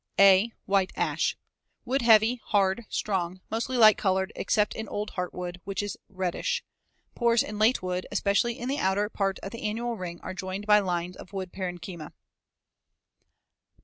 (a) White ash. Wood heavy, hard, strong, mostly light colored except in old heartwood, which is reddish. Pores in late wood, especially in the outer part of the annual ring, are joined by lines of wood parenchyma.